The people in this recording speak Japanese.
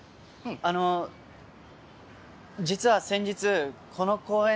あの実は先日この公園で。